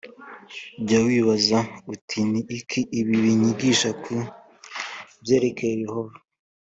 jya wibaza uti ni iki ibi binyigisha ku byerekeye yehova